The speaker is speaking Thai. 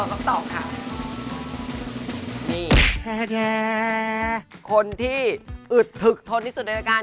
ใครคือผู้แข็งแกร่งอึดถึกทนที่สุดในรายการคะ